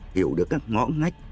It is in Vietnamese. hiểu được các ngõ ngách